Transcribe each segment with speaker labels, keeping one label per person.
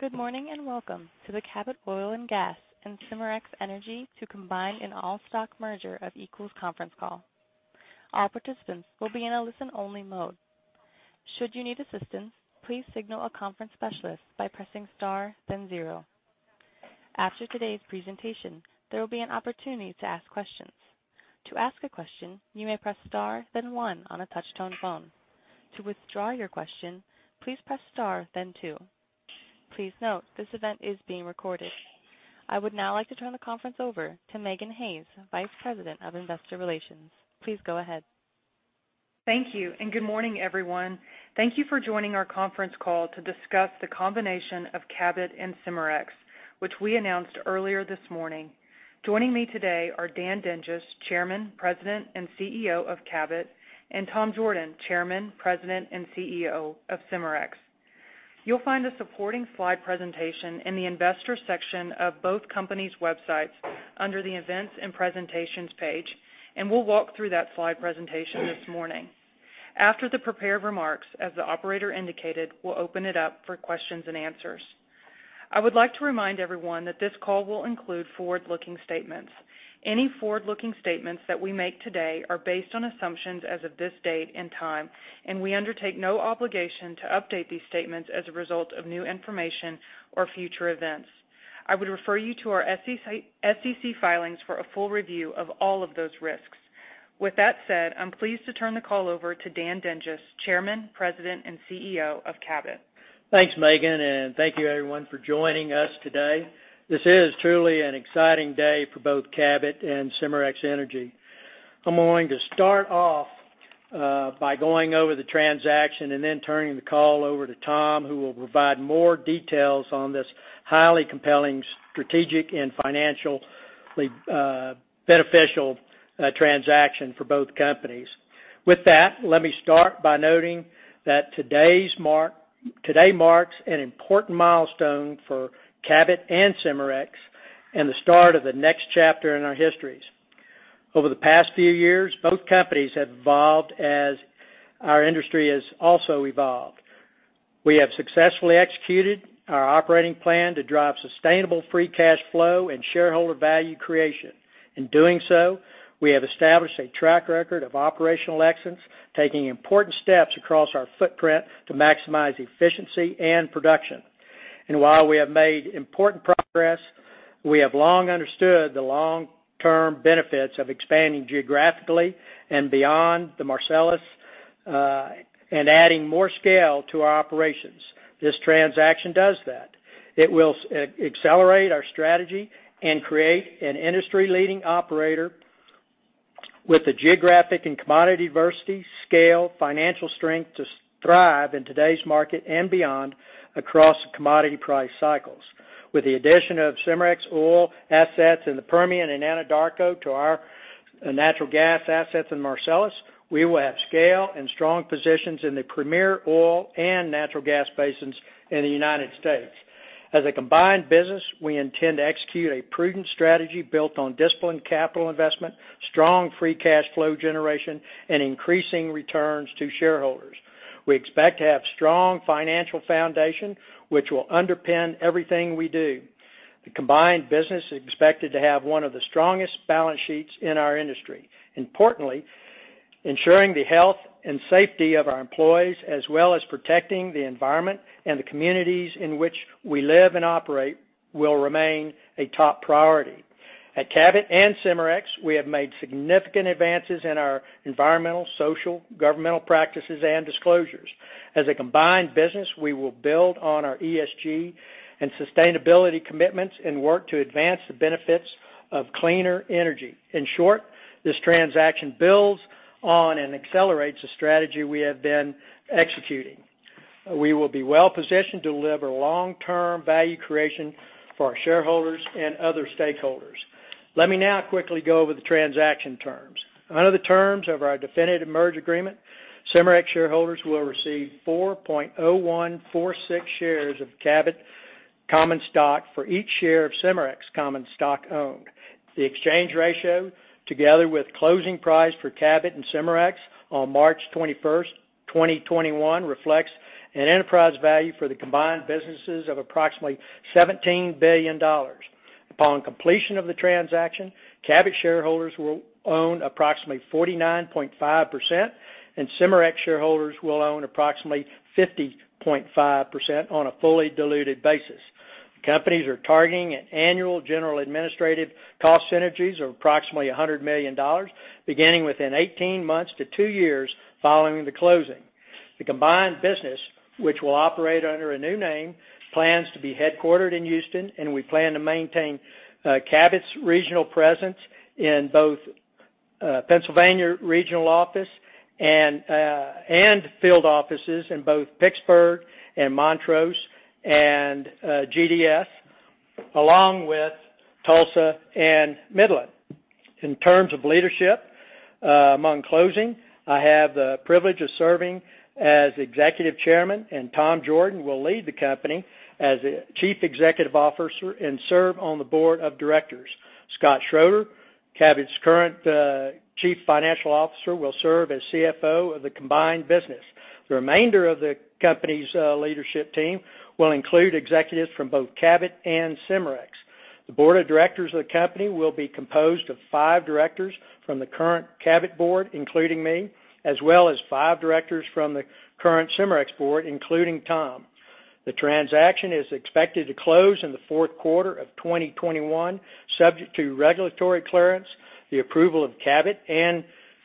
Speaker 1: Good morning, and welcome to the Cabot Oil & Gas and Cimarex Energy to Combine in All-Stock Merger of Equals conference call. All participants will be in a listen-only mode. After today's presentation, there will be an opportunity to ask questions. I would now like to turn the conference over to Megan Hays, Vice President of Investor Relations. Please go ahead.
Speaker 2: Thank you. Good morning, everyone. Thank you for joining our conference call to discuss the combination of Cabot and Cimarex, which we announced earlier this morning. Joining me today are Dan Dinges, Chairman, President, and CEO of Cabot, and Tom Jorden, Chairman, President, and CEO of Cimarex. You'll find a supporting slide presentation in the investors section of both companies' websites under the Events and Presentations page. We'll walk through that slide presentation this morning. After the prepared remarks, as the operator indicated, we'll open it up for questions and answers. I would like to remind everyone that this call will include forward-looking statements. Any forward-looking statements that we make today are based on assumptions as of this date and time. We undertake no obligation to update these statements as a result of new information or future events. I would refer you to our SEC filings for a full review of all of those risks. With that said, I'm pleased to turn the call over to Dan Dinges, Chairman, President, and CEO of Cabot.
Speaker 3: Thanks, Megan, and thank you everyone for joining us today. This is truly an exciting day for both Cabot and Cimarex Energy. I'm going to start off by going over the transaction and then turning the call over to Tom, who will provide more details on this highly compelling strategic and financially beneficial transaction for both companies. With that, let me start by noting that today marks an important milestone for Cabot and Cimarex and the start of the next chapter in our histories. Over the past few years, both companies have evolved as our industry has also evolved. We have successfully executed our operating plan to drive sustainable free cash flow and shareholder value creation. In doing so, we have established a track record of operational excellence, taking important steps across our footprint to maximize efficiency and production. While we have made important progress, we have long understood the long-term benefits of expanding geographically and beyond the Marcellus, and adding more scale to our operations. This transaction does that. It will accelerate our strategy and create an industry-leading operator with the geographic and commodity diversity, scale, financial strength to thrive in today's market and beyond across the commodity price cycles. With the addition of Cimarex oil assets in the Permian and Anadarko to our natural gas assets in Marcellus, we will have scale and strong positions in the premier oil and natural gas basins in the U.S. As a combined business, we intend to execute a prudent strategy built on disciplined capital investment, strong free cash flow generation, and increasing returns to shareholders. We expect to have strong financial foundation, which will underpin everything we do. The combined business is expected to have one of the strongest balance sheets in our industry. Importantly, ensuring the health and safety of our employees as well as protecting the environment and the communities in which we live and operate will remain a top priority. At Cabot and Cimarex, we have made significant advances in our environmental, social, governance practices, and disclosures. As a combined business, we will build on our ESG and sustainability commitments and work to advance the benefits of cleaner energy. In short, this transaction builds on and accelerates the strategy we have been executing. We will be well positioned to deliver long-term value creation for our shareholders and other stakeholders. Let me now quickly go over the transaction terms. Under the terms of our definitive merger agreement, Cimarex shareholders will receive 4.0146 shares of Cabot common stock for each share of Cimarex common stock owned. The exchange ratio, together with closing price for Cabot and Cimarex on March 21st, 2021, reflects an enterprise value for the combined businesses of approximately $17 billion. Upon completion of the transaction, Cabot shareholders will own approximately 49.5%, and Cimarex shareholders will own approximately 50.5% on a fully diluted basis. The companies are targeting an annual general administrative cost synergies of approximately $100 million, beginning within 18 months to two years following the closing. The combined business, which will operate under a new name, plans to be headquartered in Houston, and we plan to maintain Cabot's regional presence in both Pennsylvania regional office and field offices in both Pittsburgh and Montrose and GDF, along with Tulsa and Midland. In terms of leadership, among closing, I have the privilege of serving as Executive Chairman. Tom Jorden will lead the company as the Chief Executive Officer and serve on the Board of Directors. Scott Schroeder. Cabot's current chief financial officer will serve as CFO of the combined business. The remainder of the company's leadership team will include executives from both Cabot and Cimarex. The board of directors of the company will be composed of five directors from the current Cabot board, including me, as well as five directors from the current Cimarex board, including Tom. The transaction is expected to close in the fourth quarter of 2021, subject to regulatory clearance, the approval of Cabot and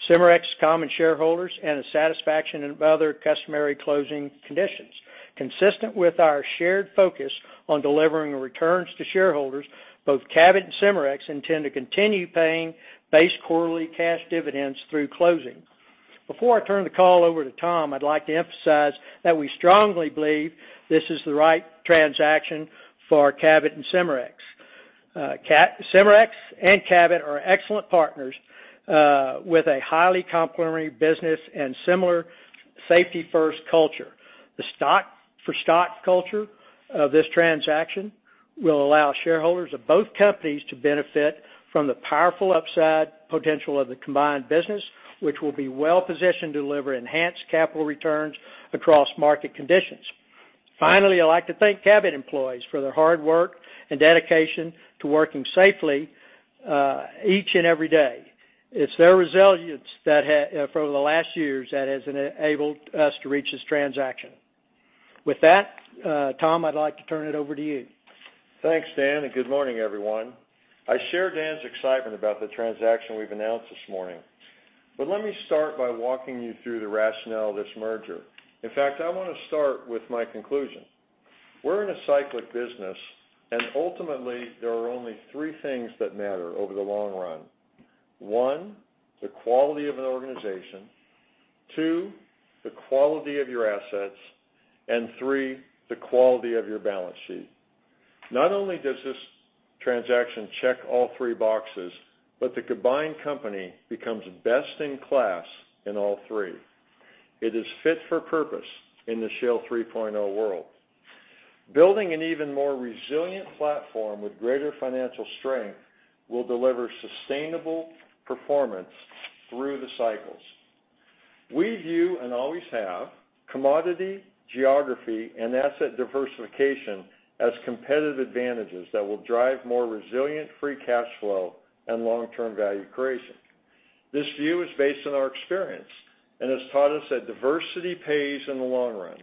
Speaker 3: Cimarex common shareholders, and the satisfaction of other customary closing conditions. Consistent with our shared focus on delivering returns to shareholders, both Cabot and Cimarex intend to continue paying base quarterly cash dividends through closing. Before I turn the call over to Tom, I'd like to emphasize that we strongly believe this is the right transaction for Cabot and Cimarex. Cimarex and Cabot are excellent partners with a highly complementary business and similar safety-first culture. The stock-for-stock culture of this transaction will allow shareholders of both companies to benefit from the powerful upside potential of the combined business, which will be well-positioned to deliver enhanced capital returns across market conditions. Finally, I'd like to thank Cabot employees for their hard work and dedication to working safely each and every day. It's their resilience over the last years that has enabled us to reach this transaction. With that, Tom, I'd like to turn it over to you.
Speaker 4: Thanks, Dan, and good morning, everyone. I share Dan's excitement about the transaction we've announced this morning, but let me start by walking you through the rationale of this merger. In fact, I want to start with my conclusion. We're in a cyclic business, and ultimately, there are only three things that matter over the long run: one, the quality of an organization, two, the quality of your assets, and three, the quality of your balance sheet. Not only does this transaction check all three boxes, but the combined company becomes best in class in all three. It is fit for purpose in the Shale 3.0 world. Building an even more resilient platform with greater financial strength will deliver sustainable performance through the cycles. We view and always have commodity, geography, and asset diversification as competitive advantages that will drive more resilient free cash flow and long-term value creation. This view is based on our experience and has taught us that diversity pays in the long run.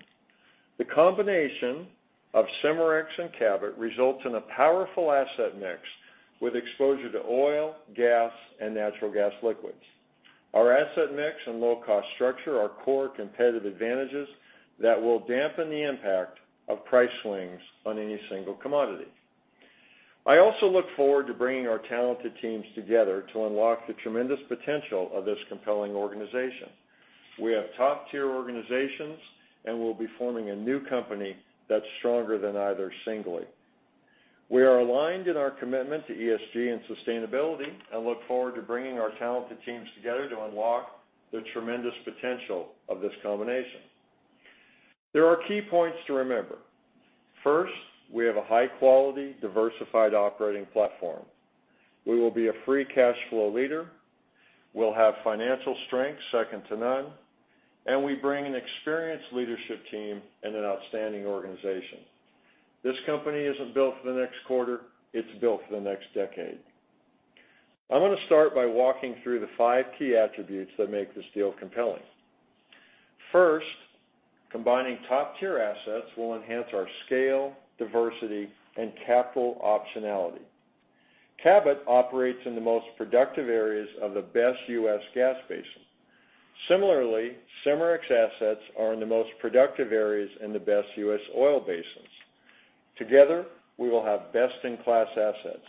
Speaker 4: The combination of Cimarex and Cabot results in a powerful asset mix with exposure to oil, gas, and natural gas liquids. Our asset mix and low-cost structure are core competitive advantages that will dampen the impact of price swings on any single commodity. I also look forward to bringing our talented teams together to unlock the tremendous potential of this compelling organization. We have top-tier organizations, and we'll be forming a new company that's stronger than either singly. We are aligned in our commitment to ESG and sustainability and look forward to bringing our talented teams together to unlock the tremendous potential of this combination. There are key points to remember. First, we have a high-quality, diversified operating platform. We will be a free cash flow leader. We'll have financial strength second to none, and we bring an experienced leadership team and an outstanding organization. This company isn't built for the next quarter, it's built for the next decade. I'm going to start by walking through the five key attributes that make this deal compelling. First, combining top-tier assets will enhance our scale, diversity, and capital optionality. Cabot operates in the most productive areas of the best U.S. gas basin. Similarly, Cimarex assets are in the most productive areas in the best U.S. oil basins. Together, we will have best-in-class assets.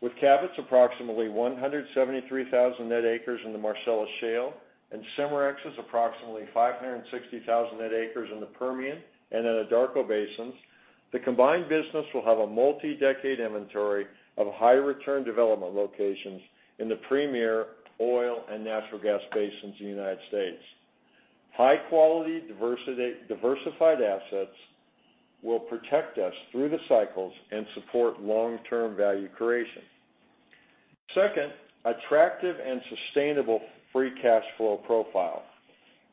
Speaker 4: With Cabot's approximately 173,000 net acres in the Marcellus Shale and Cimarex's approximately 560,000 net acres in the Permian and Anadarko basins, the combined business will have a multi-decade inventory of high-return development locations in the premier oil and natural gas basins in the United States. High-quality, diversified assets will protect us through the cycles and support long-term value creation. Second, attractive and sustainable free cash flow profile.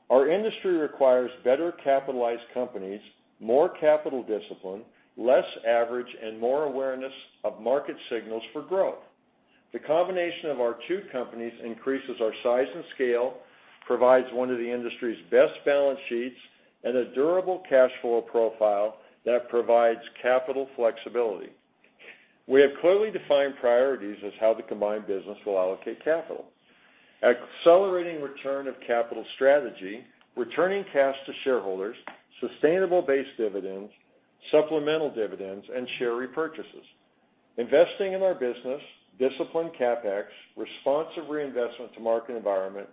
Speaker 4: Our industry requires better capitalized companies, more capital discipline, less leverage and more awareness of market signals for growth. The combination of our two companies increases our size and scale, provides one of the industry's best balance sheets, and a durable cash flow profile that provides capital flexibility. We have clearly defined priorities as how the combined business will allocate capital. Accelerating return of capital strategy, returning cash to shareholders, sustainable base dividends, supplemental dividends, and share repurchases. Investing in our business, disciplined CapEx, responsive reinvestment to market environment,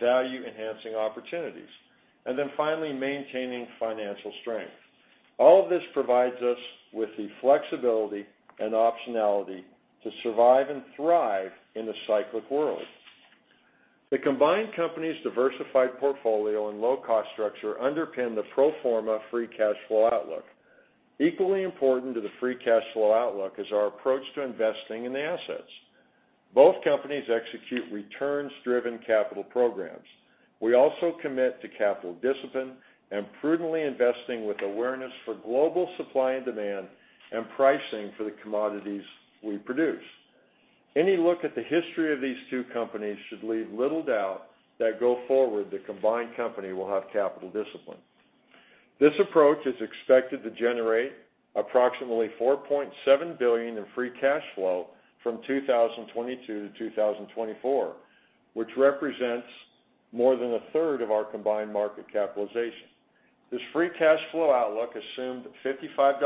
Speaker 4: value-enhancing opportunities. Finally, maintaining financial strength. All of this provides us with the flexibility and optionality to survive and thrive in a cyclic world. The combined company's diversified portfolio and low cost structure underpin the pro forma free cash flow outlook. Equally important to the free cash flow outlook is our approach to investing in assets. Both companies execute returns driven capital programs. We also commit to capital discipline and prudently investing with awareness for global supply and demand and pricing for the commodities we produce. Any look at the history of these two companies should leave little doubt that go forward, the combined company will have capital discipline. This approach is expected to generate approximately $4.7 billion in free cash flow from 2022 to 2024, which represents more than a third of our combined market capitalization. This free cash flow outlook assumed $55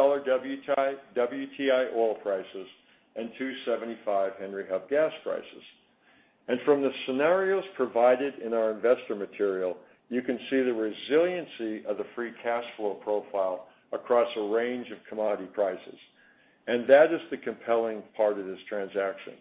Speaker 4: WTI oil prices and $2.75 Henry Hub gas prices. From the scenarios provided in our investor material, you can see the resiliency of the free cash flow profile across a range of commodity prices. That is the compelling part of this transaction.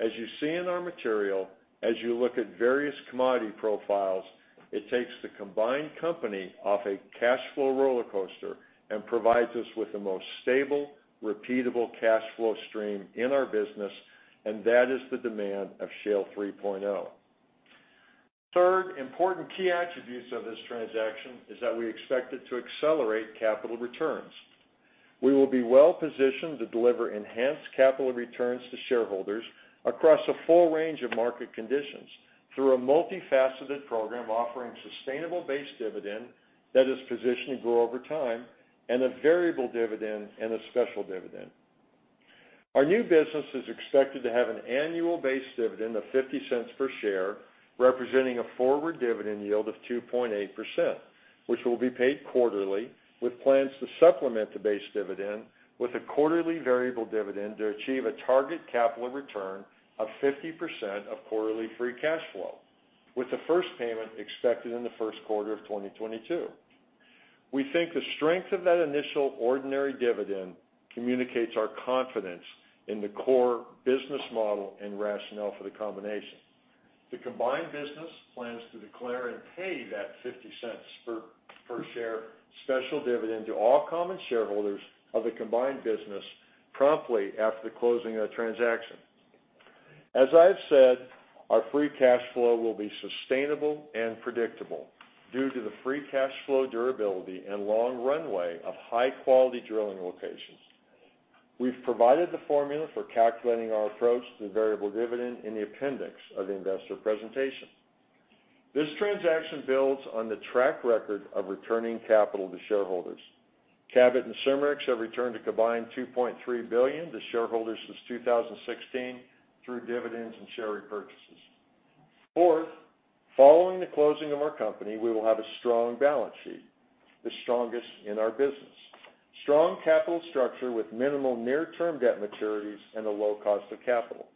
Speaker 4: As you see in our material, as you look at various commodity profiles, it takes the combined company off a cash flow rollercoaster and provides us with the most stable, repeatable cash flow stream in our business, and that is the demand of Shale 3.0. Third important key attributes of this transaction is that we expect it to accelerate capital returns. We will be well positioned to deliver enhanced capital returns to shareholders across a full range of market conditions through a multifaceted program offering sustainable base dividend that is positioned to grow over time and a variable dividend and a special dividend. Our new business is expected to have an annual base dividend of $0.50 per share, representing a forward dividend yield of 2.8%, which will be paid quarterly with plans to supplement the base dividend with a quarterly variable dividend to achieve a target capital return of 50% of quarterly free cash flow, with the first payment expected in the first quarter of 2022. We think the strength of that initial ordinary dividend communicates our confidence in the core business model and rationale for the combination. The combined business plans to declare and pay that $0.50 per share special dividend to all common shareholders of the combined business promptly after the closing of the transaction. As I've said, our free cash flow will be sustainable and predictable due to the free cash flow durability and long runway of high quality drilling locations. We've provided the formula for calculating our approach to the variable dividend in the appendix of the investor presentation. This transaction builds on the track record of returning capital to shareholders. Cabot and Cimarex have returned a combined $2.3 billion to shareholders since 2016 through dividends and share repurchases. Fourth, following the closing of our company, we will have a strong balance sheet, the strongest in our business. Strong capital structure with minimal near term debt maturities and a low cost of capital.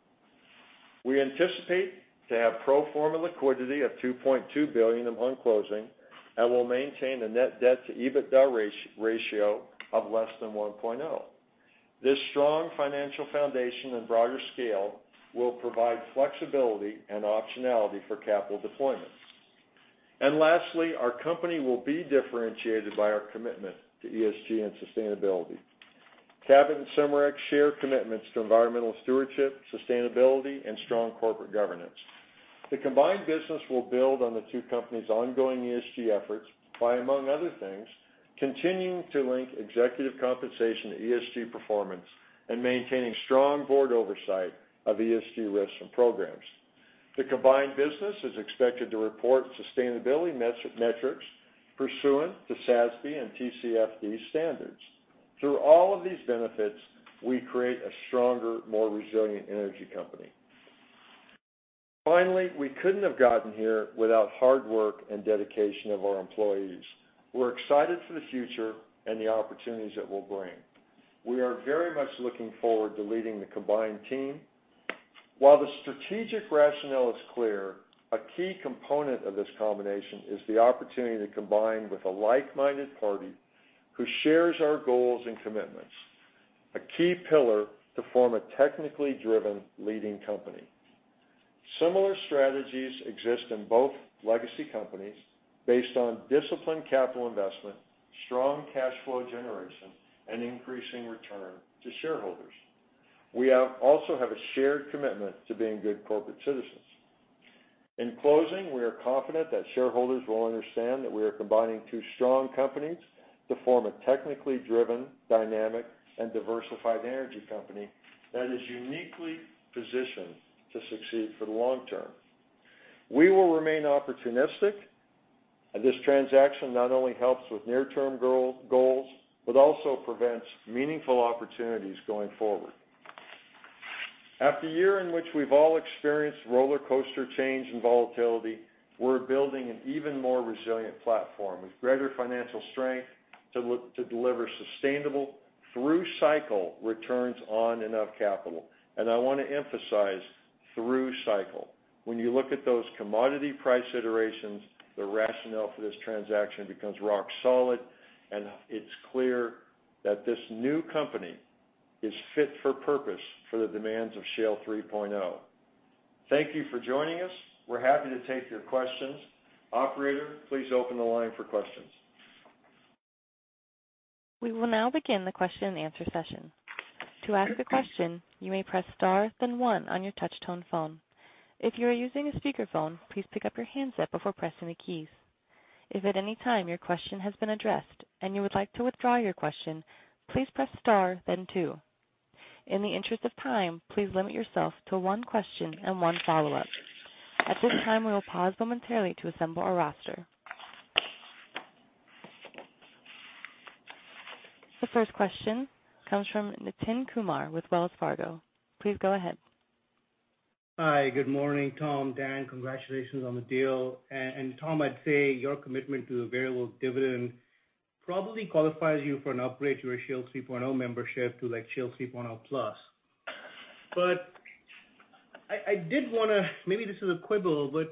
Speaker 4: We anticipate to have pro forma liquidity of $2.2 billion upon closing and will maintain a net debt to EBITDA ratio of less than 1.0. Lastly, our company will be differentiated by our commitment to ESG and sustainability. Cabot and Cimarex share commitments to environmental stewardship, sustainability, and strong corporate governance. The combined business will build on the two companies' ongoing ESG efforts by, among other things, continuing to link executive compensation to ESG performance and maintaining strong board oversight of ESG risks and programs. The combined business is expected to report sustainability metrics pursuant to SASB and TCFD standards. Through all of these benefits, we create a stronger, more resilient energy company. We couldn't have gotten here without hard work and dedication of our employees. We're excited for the future and the opportunities it will bring. We are very much looking forward to leading the combined team. While the strategic rationale is clear, a key component of this combination is the opportunity to combine with a like-minded party who shares our goals and commitments, a key pillar to form a technically driven leading company. Similar strategies exist in both legacy companies based on disciplined capital investment, strong cash flow generation, and increasing return to shareholders. We also have a shared commitment to being good corporate citizens. In closing, we are confident that shareholders will understand that we are combining two strong companies to form a technically driven, dynamic, and diversified energy company that is uniquely positioned to succeed for the long term. We will remain opportunistic, and this transaction not only helps with near term goals, but also prevents meaningful opportunities going forward. After a year in which we've all experienced rollercoaster change and volatility, we're building an even more resilient platform with greater financial strength to deliver sustainable through cycle returns on and of capital. I want to emphasize through cycle. When you look at those commodity price iterations, the rationale for this transaction becomes rock solid, and it's clear that this new company is fit for purpose for the demands of Shale 3.0. Thank you for joining us. We're happy to take your questions. Operator, please open the line for questions.
Speaker 1: We will now begin the question and answer session. In the interest of time, please limit yourself to one question and one follow-up. At this time, we will pause momentarily to assemble our roster. The first question comes from Nitin Kumar with Wells Fargo. Please go ahead.
Speaker 5: Hi. Good morning, Tom Jorden, Dan Dinges, congratulations on the deal. Tom Jorden, I'd say your commitment to the variable dividend probably qualifies you for an upgrade to a Shale 3.0 membership to Shale 3.0+. Maybe this is a quibble, but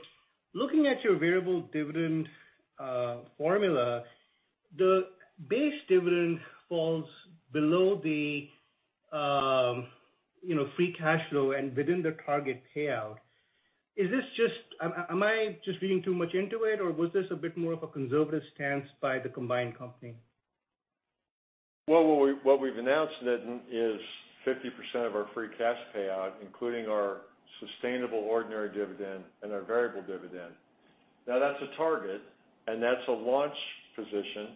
Speaker 5: looking at your variable dividend formula, the base dividend falls below the free cash flow and within the target payout. Am I just reading too much into it, or was this a bit more of a conservative stance by the combined company?
Speaker 4: Well, what we've announced, Nitin, is 50% of our free cash payout, including our sustainable ordinary dividend and our variable dividend. Now, that's a target, and that's a launch position.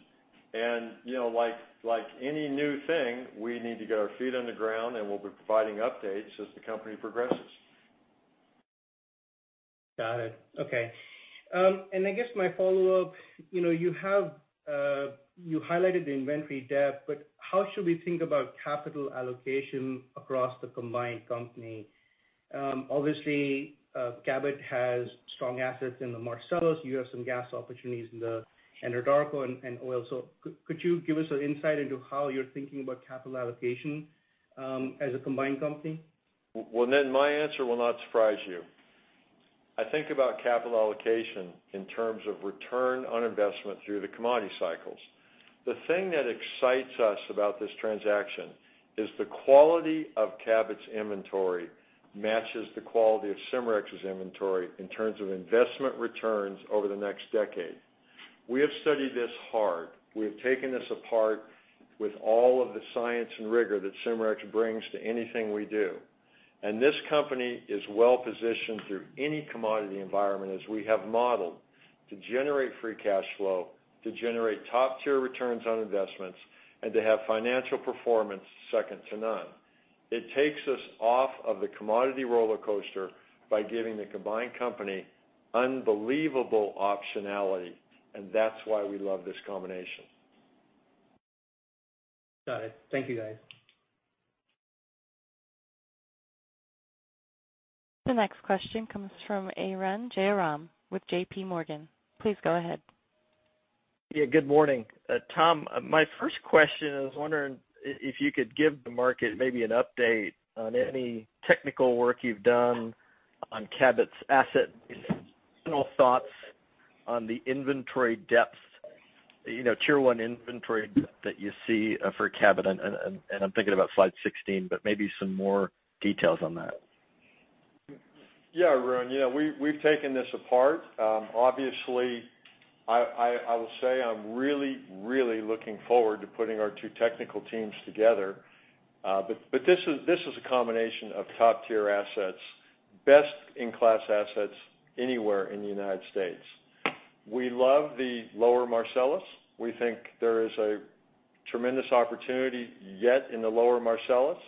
Speaker 4: Like any new thing, we need to get our feet on the ground, and we'll be providing updates as the company progresses.
Speaker 5: Got it. Okay. I guess my follow-up, you highlighted the inventory depth, but how should we think about capital allocation across the combined company? Obviously, Cabot has strong assets in the Marcellus. You have some gas opportunities in the Anadarko and oil. Could you give us an insight into how you're thinking about capital allocation as a combined company?
Speaker 4: Well, my answer will not surprise you. I think about capital allocation in terms of return on investment through the commodity cycles. The thing that excites us about this transaction is the quality of Cabot's inventory matches the quality of Cimarex's inventory in terms of investment returns over the next decade. We have studied this hard. We have taken this apart with all of the science and rigor that Cimarex brings to anything we do. This company is well-positioned through any commodity environment, as we have modeled, to generate free cash flow, to generate top-tier returns on investments, and to have financial performance second to none. It takes us off of the commodity roller coaster by giving the combined company unbelievable optionality, and that's why we love this combination.
Speaker 5: Got it. Thank you, guys.
Speaker 1: The next question comes from Arun Jayaram with JPMorgan. Please go ahead.
Speaker 6: Yeah, good morning. Tom, my first question is wondering if you could give the market maybe an update on any technical work you've done on Cabot's asset. Any thoughts on the inventory depth, tier 1 inventory that you see for Cabot, I'm thinking about Slide 16, but maybe some more details on that.
Speaker 4: Yeah, Arun. We've taken this apart. Obviously, I will say I'm really looking forward to putting our two technical teams together. This is a combination of top-tier assets, best-in-class assets anywhere in the United States. We love the Lower Marcellus. We think there is a tremendous opportunity yet in the Lower Marcellus.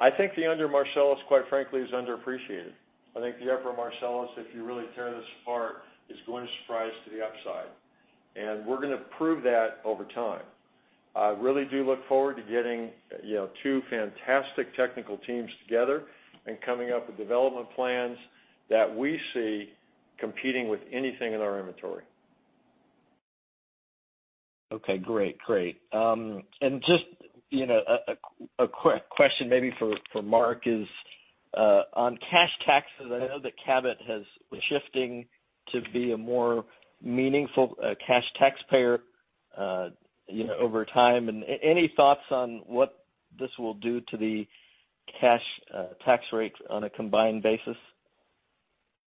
Speaker 4: I think the Upper Marcellus, quite frankly, is underappreciated. I think the Upper Marcellus, if you really tear this apart, is going to surprise to the upside. We're going to prove that over time. I really do look forward to getting two fantastic technical teams together and coming up with development plans that we see competing with anything in our inventory.
Speaker 6: Okay, great. Just a quick question maybe for Mark is on cash taxes. I know that Cabot has shifting to be a more meaningful cash taxpayer over time. Any thoughts on what this will do to the cash tax rates on a combined basis?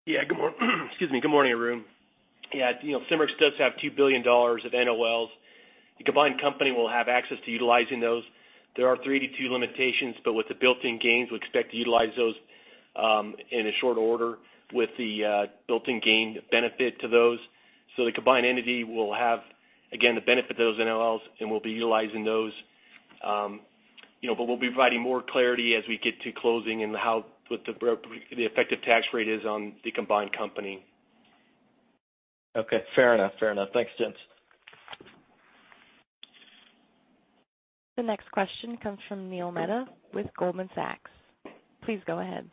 Speaker 7: Excuse me. Good morning, Arun. Cimarex does have $2 billion of NOLs. The combined company will have access to utilizing those. There are 382 limitations, with the built-in gains, we expect to utilize those in a short order with the built-in gain benefit to those. The combined entity will have, again, the benefit of those NOLs, and we'll be utilizing those. We'll be providing more clarity as we get to closing and what the effective tax rate is on the combined company.
Speaker 6: Okay, fair enough. Thanks, gents.
Speaker 1: The next question comes from Neil Mehta with Goldman Sachs. Please go ahead.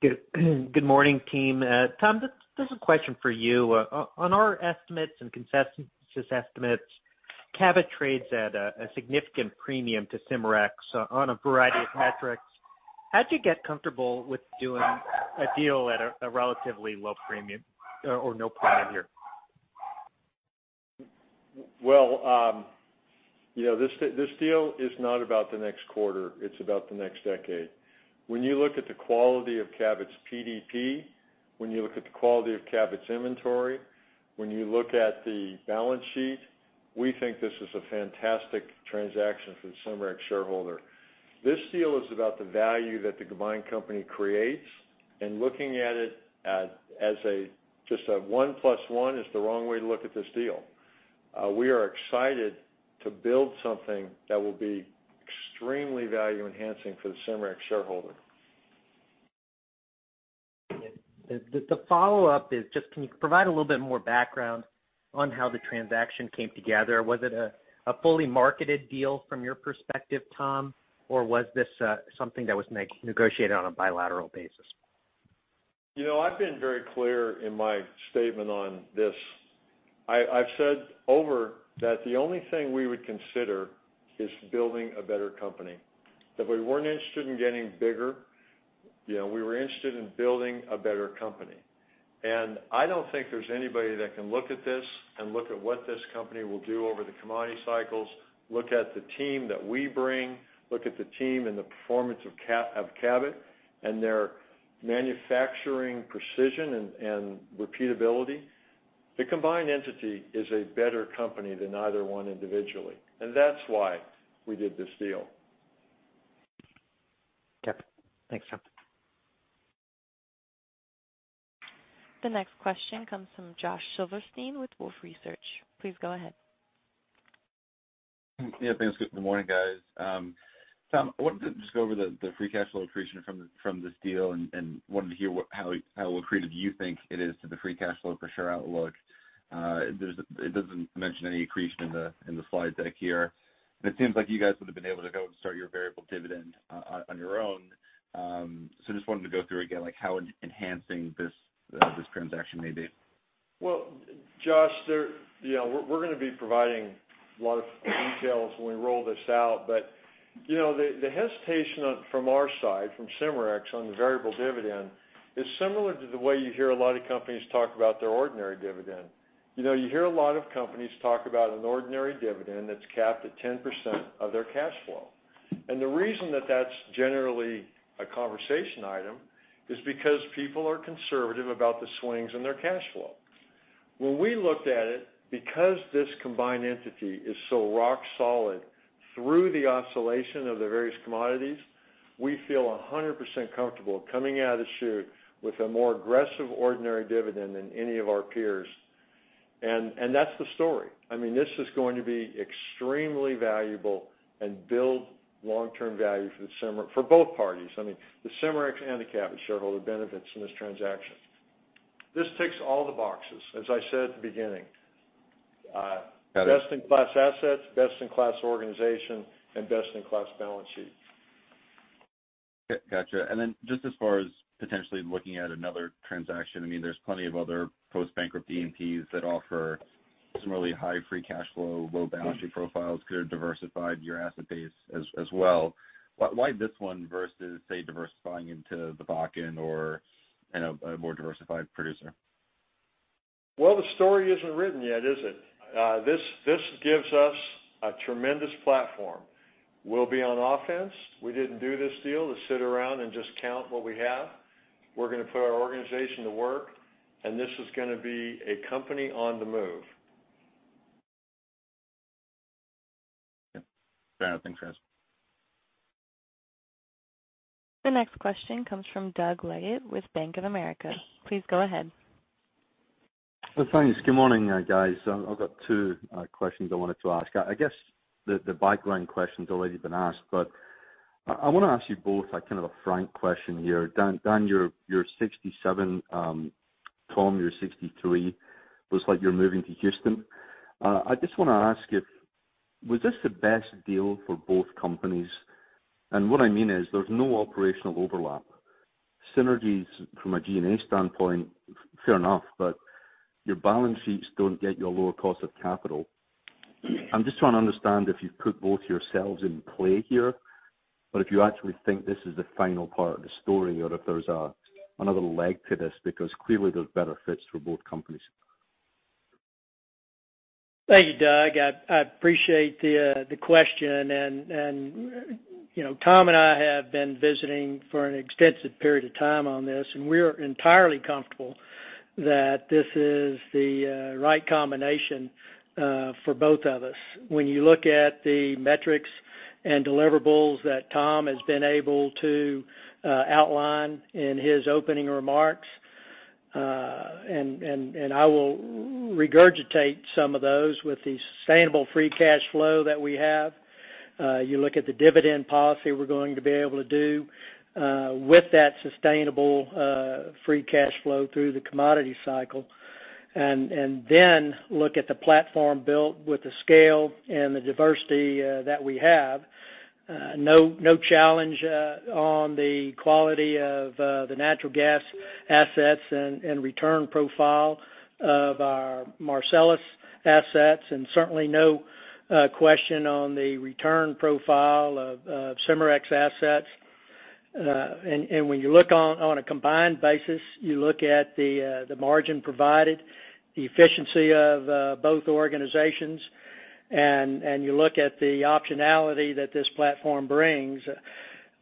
Speaker 8: Good morning, team. Tom, this is a question for you. On our estimates and consensus estimates, Cabot trades at a significant premium to Cimarex on a variety of metrics. How'd you get comfortable with doing a deal at a relatively low premium or no premium here?
Speaker 4: Well, this deal is not about the next quarter, it's about the next decade. When you look at the quality of Cabot's PDP, when you look at the quality of Cabot's inventory, when you look at the balance sheet, we think this is a fantastic transaction for the Cimarex shareholder. This deal is about the value that the combined company creates. Looking at it as just a one plus one is the wrong way to look at this deal. We are excited to build something that will be extremely value-enhancing for the Cimarex shareholder.
Speaker 8: The follow-up is just, can you provide a little bit more background on how the transaction came together? Was it a fully marketed deal from your perspective, Tom Jorden, or was this something that was negotiated on a bilateral basis?
Speaker 4: I've been very clear in my statement on this. I've said over that the only thing we would consider is building a better company. We weren't interested in getting bigger, we were interested in building a better company. I don't think there's anybody that can look at this and look at what this company will do over the commodity cycles, look at the team that we bring, look at the team and the performance of Cabot and their manufacturing precision and repeatability. The combined entity is a better company than either one individually, and that's why we did this deal.
Speaker 3: Yep. Thanks, Tom.
Speaker 1: The next question comes from Josh Silverstein with Wolfe Research. Please go ahead.
Speaker 9: Yeah, thanks. Good morning, guys. Tom, I wanted to just go over the free cash flow accretion from this deal, and wanted to hear how accretive you think it is to the free cash flow per share outlook. It doesn't mention any accretion in the slide deck here, but it seems like you guys would've been able to go and start your variable dividend on your own. Just wanted to go through again, like how enhancing this transaction may be.
Speaker 4: Well, Josh, we're going to be providing a lot of details when we roll this out, but the hesitation from our side, from Cimarex on the variable dividend is similar to the way you hear a lot of companies talk about their ordinary dividend. You hear a lot of companies talk about an ordinary dividend that's capped at 10% of their cash flow. The reason that that's generally a conversation item is because people are conservative about the swings in their cash flow. When we looked at it, because this combined entity is so rock solid through the oscillation of the various commodities, we feel 100% comfortable coming out of the chute with a more aggressive ordinary dividend than any of our peers. That's the story. This is going to be extremely valuable and build long-term value for both parties. The Cimarex and the Cabot shareholder benefits in this transaction. This ticks all the boxes, as I said at the beginning.
Speaker 9: Got it.
Speaker 4: Best in class assets, best in class organization, and best in class balance sheet.
Speaker 9: Got you. Just as far as potentially looking at another transaction, there's plenty of other post-bankruptcy E&Ps that offer some really high free cash flow, low balance sheet profiles could have diversified your asset base as well. Why this one versus, say, diversifying into the Bakken or a more diversified producer?
Speaker 4: Well, the story isn't written yet, is it? This gives us a tremendous platform. We'll be on offense. We didn't do this deal to sit around and just count what we have. We're going to put our organization to work, and this is going to be a company on the move.
Speaker 9: Got it. Thanks, guys.
Speaker 1: The next question comes from Doug Leggate with Bank of America. Please go ahead.
Speaker 10: Thanks. Good morning, guys. I've got two questions I wanted to ask. I guess the pipeline question's already been asked, but I want to ask you both a kind of frank question here. Dan, you're 67, Tom, you're 63. Looks like you're moving to Houston. I just want to ask if, was this the best deal for both companies? What I mean is there's no operational overlap. Synergies from a G&A standpoint, fair enough, but your balance sheets don't get you a lower cost of capital. I'm just trying to understand if you've put both yourselves in play here or if you actually think this is the final part of the story or if there's another leg to this, because clearly there's benefits for both companies.
Speaker 3: Thank you, Doug. I appreciate the question. Tom and I have been visiting for an extensive period of time on this. We are entirely comfortable that this is the right combination for both of us. When you look at the metrics and deliverables that Tom has been able to outline in his opening remarks, I will regurgitate some of those with the sustainable free cash flow that we have. You look at the dividend policy we're going to be able to do with that sustainable free cash flow through the commodity cycle. Look at the platform built with the scale and the diversity that we have. No challenge on the quality of the natural gas assets and return profile of our Marcellus assets. Certainly no question on the return profile of Cimarex assets. When you look on a combined basis, you look at the margin provided, the efficiency of both organizations, and you look at the optionality that this platform brings,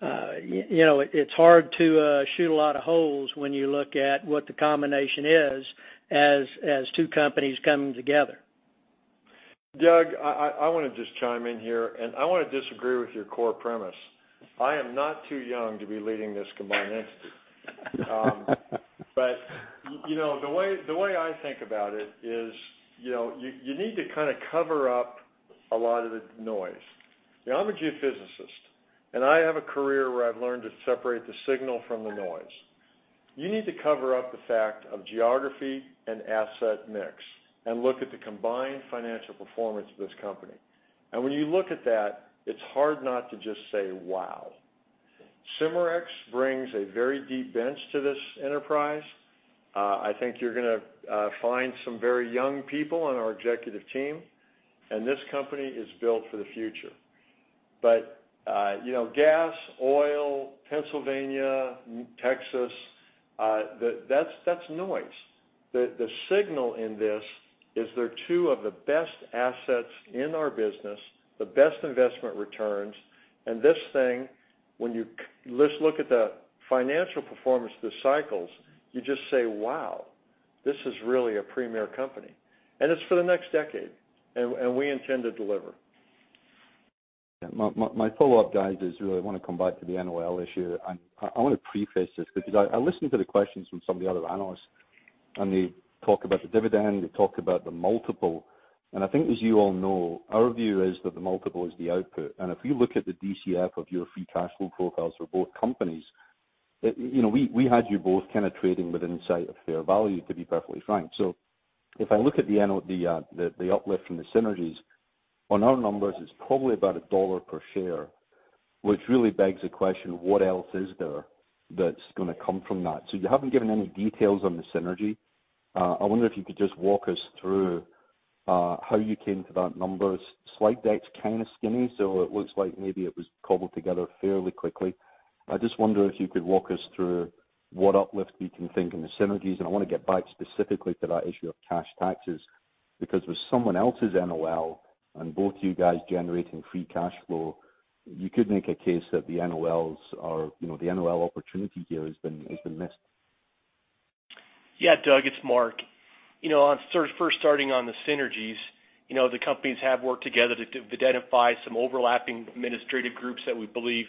Speaker 3: it's hard to shoot a lot of holes when you look at what the combination is as two companies coming together.
Speaker 4: Doug, I want to just chime in here. I want to disagree with your core premise. I am not too young to be leading this combined entity. The way I think about it is you need to cover up a lot of the noise. I'm a geophysicist. I have a career where I've learned to separate the signal from the noise. You need to cover up the fact of geography and asset mix. Look at the combined financial performance of this company. When you look at that, it's hard not to just say wow. Cimarex brings a very deep bench to this enterprise. I think you're going to find some very young people on our executive team. This company is built for the future. Gas, oil, Pennsylvania, Texas, that's noise. The signal in this is they're two of the best assets in our business, the best investment returns, and this thing, when you look at the financial performance, the cycles, you just say, "Wow, this is really a premier company." It's for the next decade, and we intend to deliver.
Speaker 10: My follow-up, guys, is really I want to come back to the NOL issue. I want to preface this because I listened to the questions from some of the other analysts, and they talk about the dividend, they talk about the multiple. I think as you all know, our view is that the multiple is the output. If you look at the DCF of your free cash flow profiles for both companies, we had you both kind of trading within sight of fair value, to be perfectly frank. If I look at the uplift from the synergies, on our numbers, it's probably about $1 per share, which really begs the question, what else is there that's going to come from that? You haven't given any details on the synergy. I wonder if you could just walk us through how you came to that number. Slide deck's kind of skinny, so it looks like maybe it was cobbled together fairly quickly. I just wonder if you could walk us through what uplift you can think in the synergies. I want to get back specifically to that issue of cash taxes, because with someone else's NOL and both you guys generating free cash flow, you could make a case that the NOL opportunity here has been missed.
Speaker 7: Doug, it's Mark. First starting on the synergies, the companies have worked together to identify some overlapping administrative groups that we believe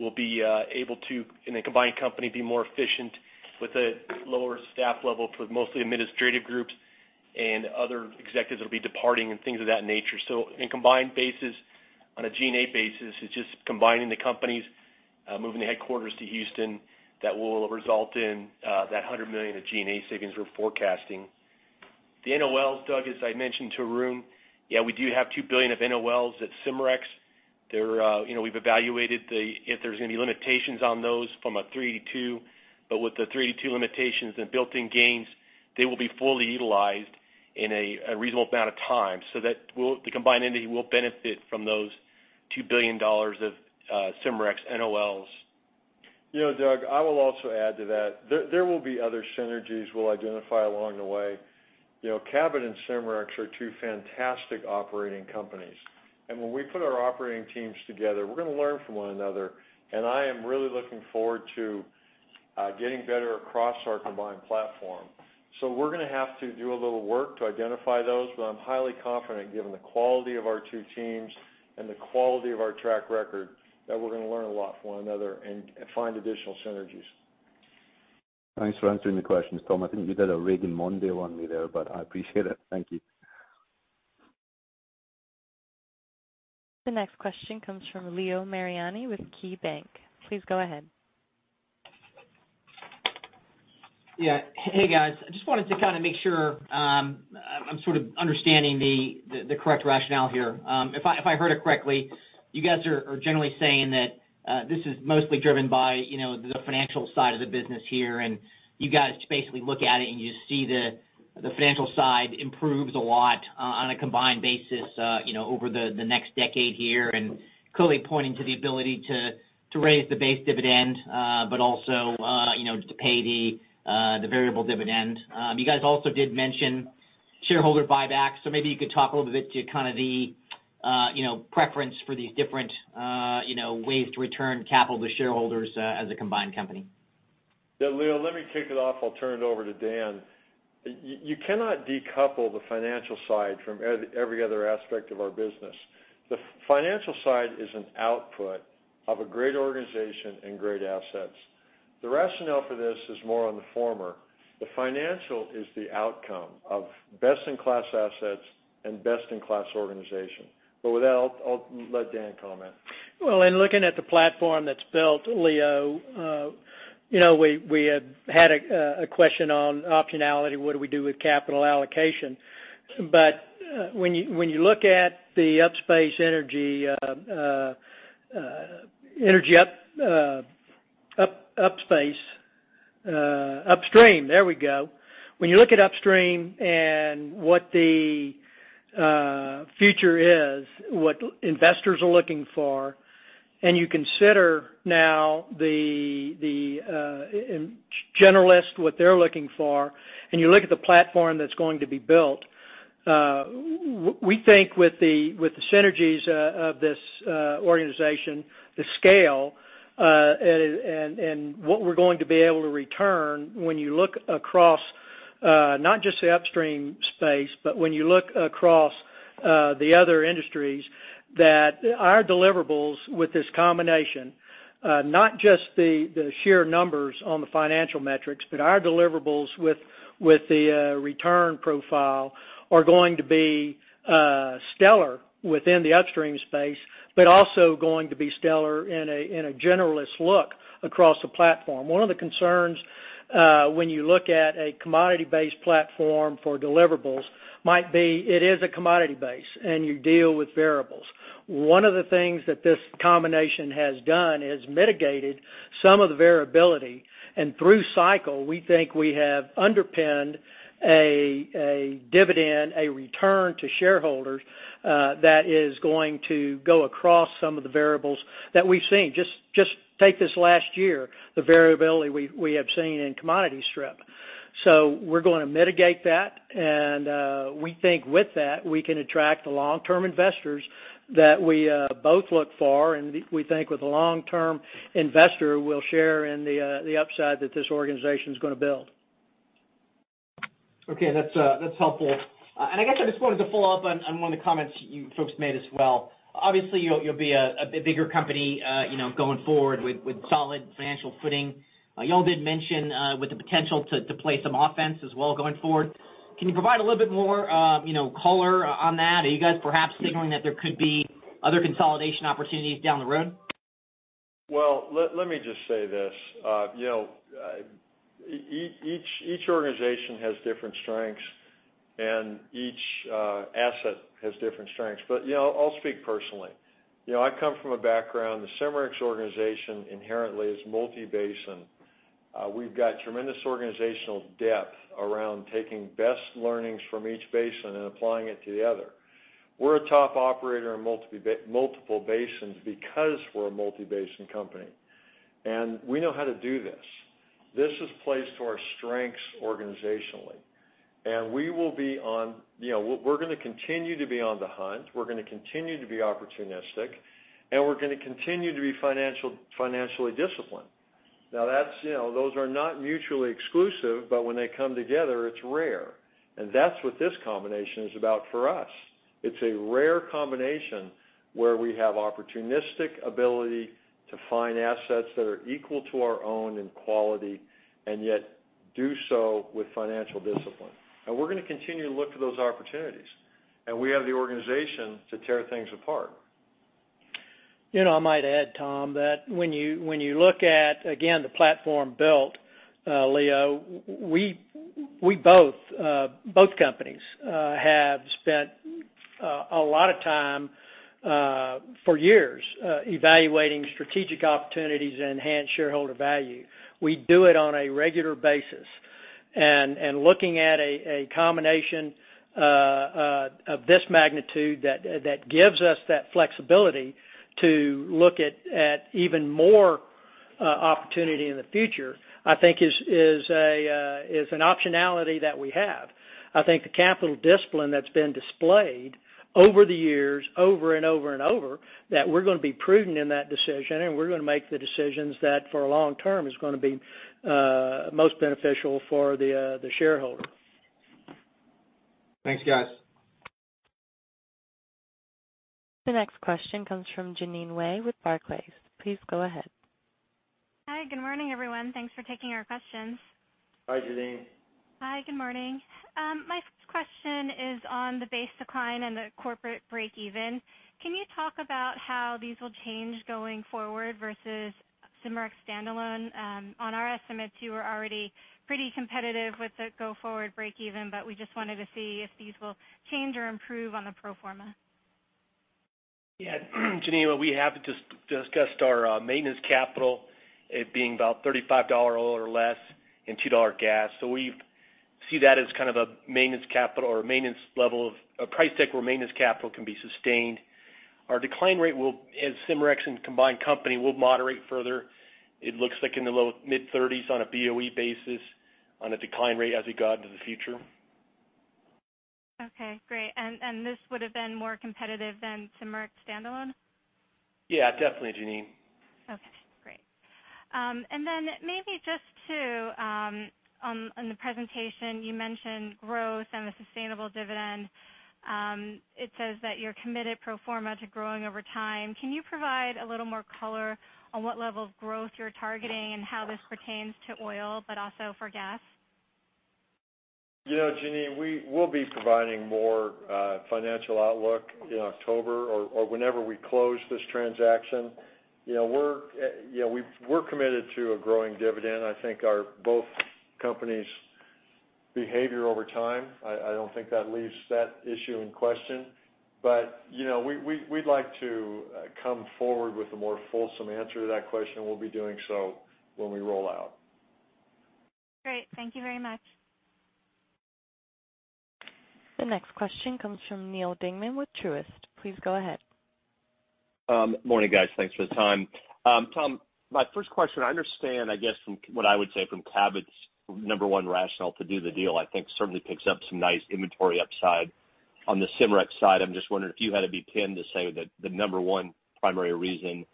Speaker 7: will be able to, in a combined company, be more efficient with a lower staff level for mostly administrative groups and other executives will be departing and things of that nature. In combined basis, on a G&A basis, it's just combining the companies, moving the headquarters to Houston, that will result in that $100 million of G&A savings we're forecasting. The NOLs, Doug, as I mentioned to Arun, we do have $2 billion of NOLs at Cimarex. We've evaluated if there's any limitations on those from a 382, with the 382 limitations and built-in gains, they will be fully utilized in a reasonable amount of time. The combined entity will benefit from those $2 billion of Cimarex NOLs.
Speaker 4: Doug, I will also add to that. There will be other synergies we'll identify along the way. Cabot and Cimarex are two fantastic operating companies. When we put our operating teams together, we're going to learn from one another, and I am really looking forward to getting better across our combined platform. We're going to have to do a little work to identify those, but I'm highly confident given the quality of our two teams and the quality of our track record, that we're going to learn a lot from one another and find additional synergies.
Speaker 10: Thanks for answering the questions, Tom. I think you did a Reading Monday on me there, but I appreciate it. Thank you.
Speaker 1: The next question comes from Leo Mariani with KeyBanc. Please go ahead.
Speaker 11: Yeah. Hey, guys. I just wanted to make sure I'm sort of understanding the correct rationale here. If I heard it correctly, you guys are generally saying that this is mostly driven by the financial side of the business here, and you guys basically look at it and you see the financial side improves a lot on a combined basis over the next decade here, and clearly pointing to the ability to raise the base dividend, but also to pay the variable dividend. You guys also did mention shareholder buybacks. Maybe you could talk a little bit to the preference for these different ways to return capital to shareholders as a combined company.
Speaker 4: Yeah, Leo, let me kick it off. I'll turn it over to Dan. You cannot decouple the financial side from every other aspect of our business. The financial side is an output of a great organization and great assets. The rationale for this is more on the former. The financial is the outcome of best-in-class assets and best-in-class organization. With that, I'll let Dan comment.
Speaker 3: Well, in looking at the platform that's built, Leo, we had a question on optionality, what do we do with capital allocation. When you look at the Upstream. There we go. When you look at upstream and what the future is, what investors are looking for, and you consider now the generalist, what they're looking for, and you look at the platform that's going to be built, we think with the synergies of this organization, the scale, and what we're going to be able to return when you look across not just the upstream space, but when you look across the other industries, that our deliverables with this combination, not just the sheer numbers on the financial metrics, but our deliverables with the return profile are going to be stellar within the upstream space, but also going to be stellar in a generalist look across the platform. One of the concerns when you look at a commodity-based platform for deliverables might be it is a commodity base, and you deal with variables. One of the things that this combination has done is mitigated some of the variability, and through cycle, we think we have underpinned a dividend, a return to shareholders, that is going to go across some of the variables that we've seen. Just take this last year, the variability we have seen in commodity strip. We're going to mitigate that, and we think with that, we can attract the long-term investors that we both look for. We think with a long-term investor, we'll share in the upside that this organization's going to build.
Speaker 11: Okay. That's helpful. I guess I just wanted to follow up on one of the comments you folks made as well. Obviously, you'll be a bigger company going forward with solid financial footing. Y'all did mention with the potential to play some offense as well going forward. Can you provide a little bit more color on that? Are you guys perhaps signaling that there could be other consolidation opportunities down the road?
Speaker 4: Well, let me just say this. Each organization has different strengths, and each asset has different strengths. Yeah, I'll speak personally. I come from a background, the Cimarex organization inherently is multi-basin. We've got tremendous organizational depth around taking best learnings from each basin and applying it to the other. We're a top operator in multiple basins because we're a multi-basin company, and we know how to do this. This is placed to our strengths organizationally, and we're going to continue to be on the hunt. We're going to continue to be opportunistic, and we're going to continue to be financially disciplined. Now, those are not mutually exclusive, but when they come together, it's rare, and that's what this combination is about for us. It's a rare combination where we have opportunistic ability to find assets that are equal to our own in quality and yet do so with financial discipline. We're going to continue to look for those opportunities, and we have the organization to tear things apart.
Speaker 3: I might add, Tom Jorden, that when you look at, again, the platform built, Leo Mariani, both companies have spent a lot of time for years evaluating strategic opportunities to enhance shareholder value. We do it on a regular basis. Looking at a combination of this magnitude that gives us that flexibility to look at even more opportunity in the future, I think is an optionality that we have. I think the capital discipline that's been displayed over the years, over and over and over, that we're going to be prudent in that decision, and we're going to make the decisions that for a long term is going to be most beneficial for the shareholder.
Speaker 11: Thanks, guys.
Speaker 1: The next question comes from Jeanine Wai with Barclays. Please go ahead.
Speaker 12: Hi. Good morning, everyone. Thanks for taking our questions.
Speaker 4: Hi, Jeanine.
Speaker 12: Hi. Good morning. My first question is on the base decline and the corporate breakeven. Can you talk about how these will change going forward versus Cimarex standalone? On our estimates, you were already pretty competitive with the go-forward breakeven, but we just wanted to see if these will change or improve on a pro forma.
Speaker 7: Jeanine, we have discussed our maintenance capital being about $35 oil or less and $2 gas. We see that as kind of a maintenance capital or a price deck where maintenance capital can be sustained. Our decline rate, as Cimarex and combined company, will moderate further. It looks like in the low mid-30s on a BOE basis on a decline rate as we go out to the future.
Speaker 12: Okay, great. This would have been more competitive than Cimarex standalone?
Speaker 7: Yeah, definitely, Jeanine.
Speaker 12: Okay, great. Maybe just too, on the presentation, you mentioned growth and a sustainable dividend. It says that you're committed pro forma to growing over time. Can you provide a little more color on what level of growth you're targeting and how this pertains to oil but also for gas?
Speaker 4: Jeanine, we'll be providing more financial outlook in October or whenever we close this transaction. We're committed to a growing dividend. I think both companies behavior over time. I don't think that leaves that issue in question. We'd like to come forward with a more fulsome answer to that question, and we'll be doing so when we roll out.
Speaker 1: Great. Thank you very much. The next question comes from Neal Dingmann with Truist Securities. Please go ahead.
Speaker 13: Morning, guys. Thanks for the time. Tom, my first question, I understand, I guess from what I would say, from Cabot's number one rationale to do the deal, I think certainly picks up some nice inventory upside. On the Cimarex side, I'm just wondering if you had to be pinned to say that the number one primary reason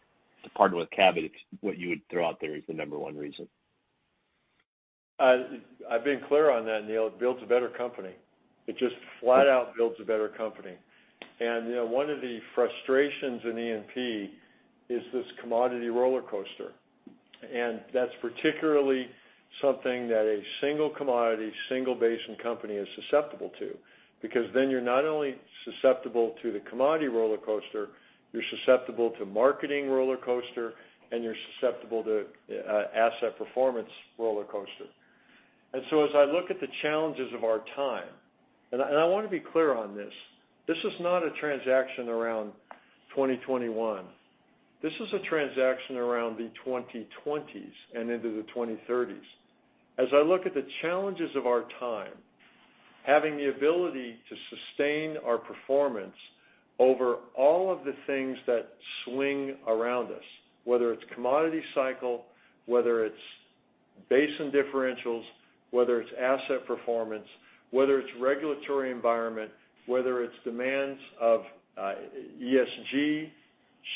Speaker 13: as part of a Cabot, what you would throw out there as the number one reason.
Speaker 4: I've been clear on that, Neil. It builds a better company. It just flat out builds a better company. One of the frustrations in E&P is this commodity rollercoaster. That's particularly something that a single commodity, single basin company is susceptible to, because then you're not only susceptible to the commodity rollercoaster, you're susceptible to marketing rollercoaster, and you're susceptible to asset performance rollercoaster. As I look at the challenges of our time, and I want to be clear on this is not a transaction around 2021. This is a transaction around the 2020s and into the 2030s. As I look at the challenges of our time, having the ability to sustain our performance over all of the things that swing around us, whether it's commodity cycle, whether it's basin differentials, whether it's asset performance, whether it's regulatory environment, whether it's demands of ESG,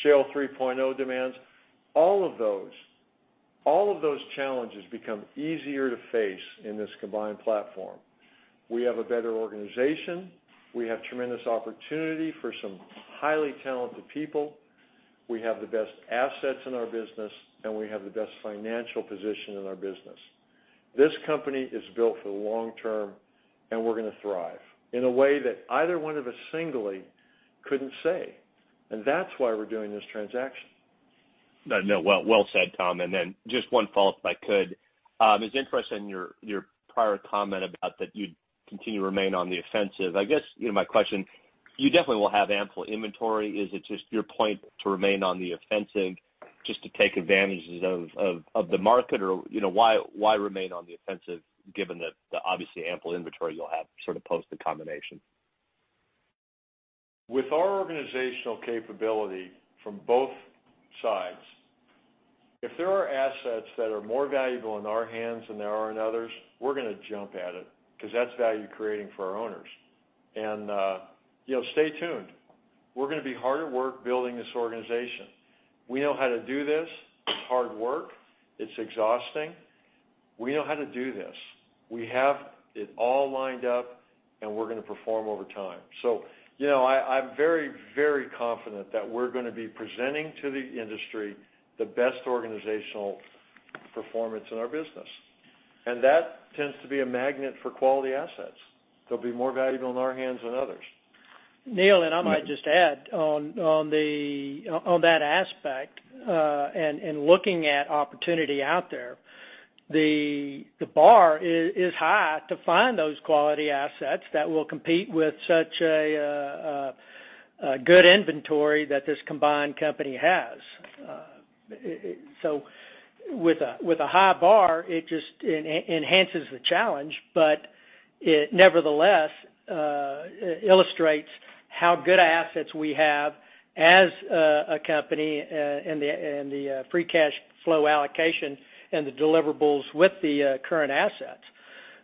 Speaker 4: Shale 3.0 demands. All of those challenges become easier to face in this combined platform. We have a better organization. We have tremendous opportunity for some highly talented people. We have the best assets in our business, and we have the best financial position in our business. This company is built for the long term, and we're going to thrive in a way that either one of us singly couldn't say. That's why we're doing this transaction.
Speaker 13: No, well said, Tom. Just one follow-up, if I could. It's interesting, your prior comment about that you'd continue to remain on the offensive. I guess my question, you definitely will have ample inventory. Is it just your point to remain on the offensive just to take advantages of the market? Or why remain on the offensive given the obviously ample inventory you'll have sort of post the combination?
Speaker 4: With our organizational capability from both sides, if there are assets that are more valuable in our hands than there are in others, we're going to jump at it because that's value creating for our owners. Stay tuned. We're going to be hard at work building this organization. We know how to do this. It's hard work. It's exhausting. We know how to do this. We have it all lined up, and we're going to perform over time. I'm very, very confident that we're going to be presenting to the industry the best organizational performance in our business. That tends to be a magnet for quality assets. They'll be more valuable in our hands than others.
Speaker 3: Neil, I might just add on that aspect, and looking at opportunity out there, the bar is high to find those quality assets that will compete with such a good inventory that this combined company has. With a high bar, it just enhances the challenge, but it nevertheless illustrates how good assets we have as a company and the free cash flow allocation and the deliverables with the current assets.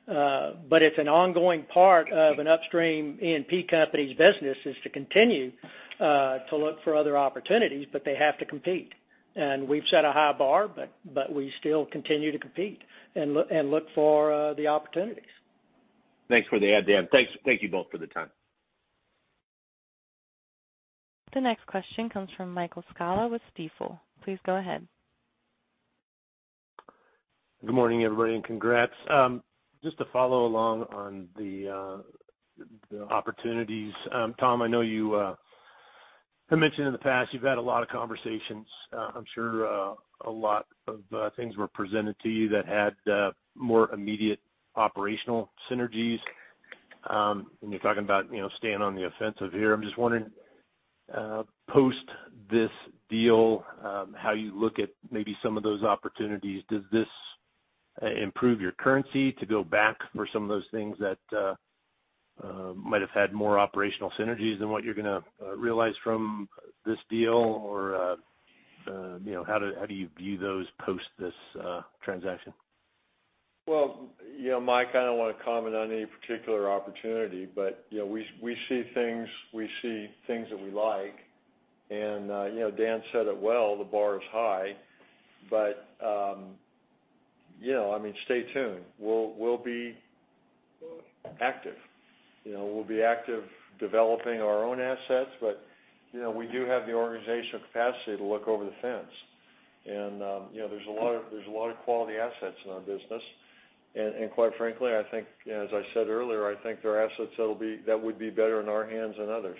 Speaker 3: It's an ongoing part of an upstream E&P company's business is to continue to look for other opportunities, but they have to compete. We've set a high bar, but we still continue to compete and look for the opportunities.
Speaker 13: Thanks for the add, Dan. Thank you both for the time.
Speaker 1: The next question comes from Michael Scialla with Stifel. Please go ahead.
Speaker 14: Good morning, everybody, congrats. Just to follow along on the opportunities. Tom, I know you mentioned in the past you've had a lot of conversations. I'm sure a lot of things were presented to you that had more immediate operational synergies. You're talking about staying on the offensive here. I'm just wondering post this deal, how you look at maybe some of those opportunities. Does this improve your currency to go back for some of those things that might have had more operational synergies than what you're going to realize from this deal, or how do you view those post this transaction?
Speaker 4: Well, Mike, I don't want to comment on any particular opportunity, but we see things that we like. Dan said it well, the bar is high. Stay tuned. We'll be active. We'll be active developing our own assets, but we do have the organization capacity to look over the fence. There's a lot of quality assets in our business. Quite frankly, as I said earlier, I think there are assets that would be better in our hands than others.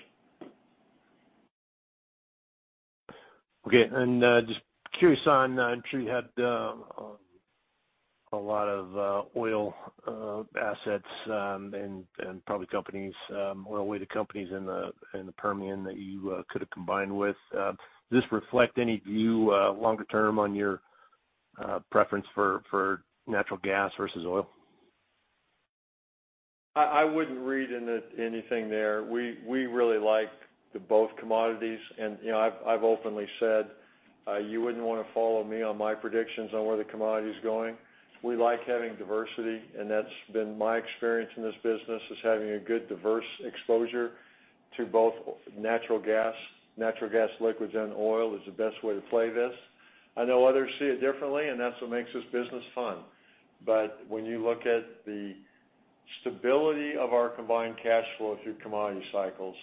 Speaker 14: Okay. Just curious on, I'm sure you had a lot of oil assets and probably oil-weighted companies in the Permian that you could have combined with. Does this reflect any view longer term on your preference for natural gas versus oil?
Speaker 4: I wouldn't read anything there. We really like both commodities, and I've openly said you wouldn't want to follow me on my predictions on where the commodity's going. We like having diversity, and that's been my experience in this business, is having a good diverse exposure to both natural gas, natural gas liquids, and oil is the best way to play this. I know others see it differently, and that's what makes this business fun. When you look at the stability of our combined cash flow through commodity cycles,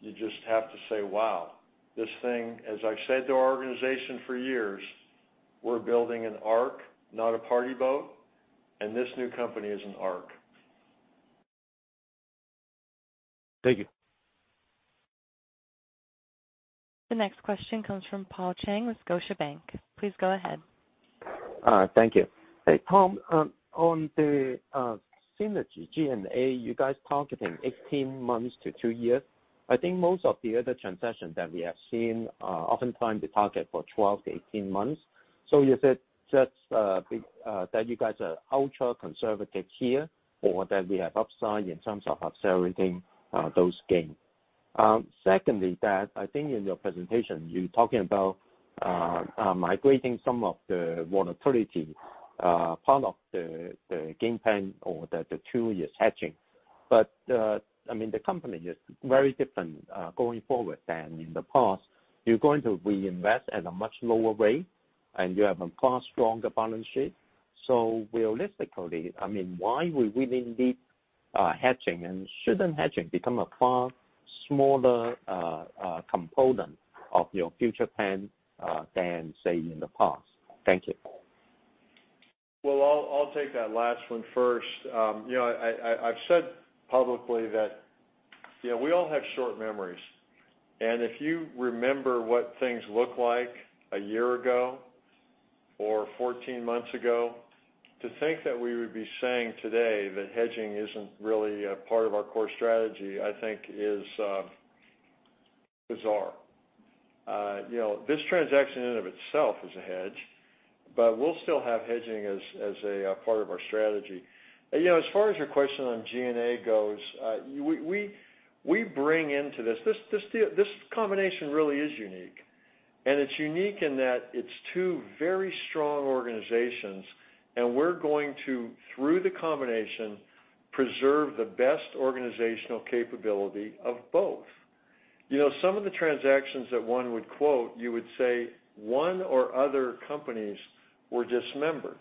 Speaker 4: you just have to say, "Wow." This thing, as I've said to our organization for years, we're building an ark, not a party boat, and this new company is an ark.
Speaker 14: Thank you.
Speaker 1: The next question comes from Paul Cheng with Scotiabank. Please go ahead.
Speaker 15: Thank you. Hey, Tom, on the synergy G&A, you guys targeted 18 months to two years. I think most of the other transactions that we have seen often find the target for 12 to 18 months. You said that you guys are ultra-conservative here or that we have upside in terms of accelerating those gains. Secondly, Dan, I think in your presentation, you're talking about migrating some of the volatility, part of the gain plan or the two-year hedging. The company is very different going forward than in the past. You're going to reinvest at a much lower rate, and you have a far stronger balance sheet. Realistically, why we really need hedging? Shouldn't hedging become a far smaller component of your future plan than, say, in the past? Thank you.
Speaker 4: Well, I'll take that last one first. I've said publicly that we all have short memories, and if you remember what things looked like a year ago or 14 months ago, to think that we would be saying today that hedging isn't really a part of our core strategy, I think is bizarre. This transaction in and of itself is a hedge. We'll still have hedging as a part of our strategy. As far as your question on G&A goes, this combination really is unique. It's unique in that it's two very strong organizations, and we're going to, through the combination, preserve the best organizational capability of both. Some of the transactions that one would quote, you would say one or other companies were dismembered.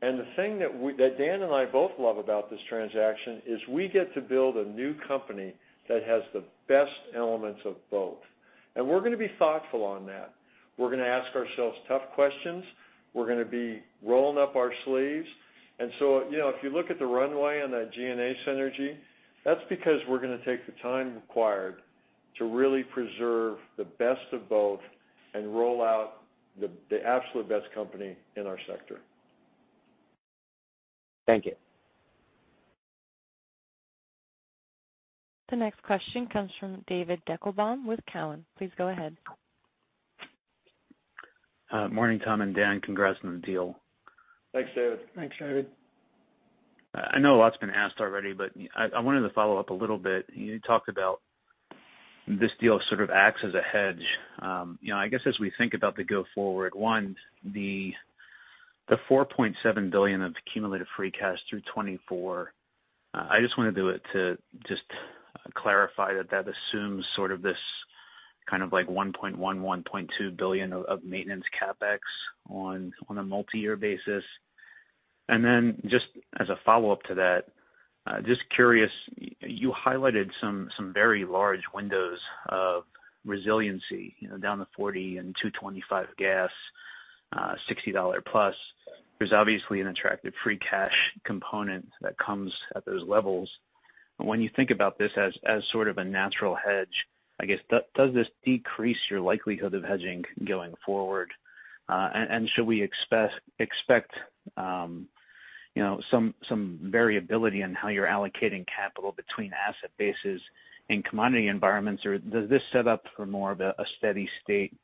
Speaker 4: The thing that Dan and I both love about this transaction is we get to build a new company that has the best elements of both. We're going to be thoughtful on that. We're going to ask ourselves tough questions. We're going to be rolling up our sleeves. If you look at the runway on that G&A synergy, that's because we're going to take the time required to really preserve the best of both and roll out the absolute best company in our sector.
Speaker 15: Thank you.
Speaker 1: The next question comes from David Deckelbaum with Cowen. Please go ahead.
Speaker 16: Morning, Tom and Dan. Congrats on the deal.
Speaker 4: Thanks, David.
Speaker 3: Thanks, David.
Speaker 16: I know a lot's been asked already. I wanted to follow up a little bit. You talked about this deal sort of acts as a hedge. As we think about the go forward, one, the $4.7 billion of cumulative free cash through 2024, I just want to clarify that assumes sort of this kind of like $1.1 billion-$1.2 billion of maintenance CapEx on a multi-year basis. Just as a follow-up to that, just curious, you highlighted some very large windows of resiliency, down to $40 and $2.25 gas, $60 plus. There's obviously an attractive free cash component that comes at those levels. When you think about this as sort of a natural hedge, I guess, does this decrease your likelihood of hedging going forward? Should we expect some variability in how you're allocating capital between asset bases and commodity environments? Or does this set up for more of a steady state